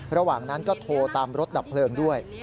ระหว่างนั้นก็โทรตามรถดับเพลิงด้วย